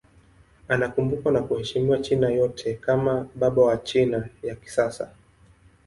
Anakumbukwa na kuheshimiwa China yote kama baba wa China ya kisasa.